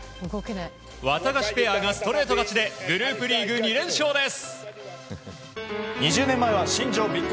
ワタガシペアがストレート勝ちでグループリーグ２連勝です！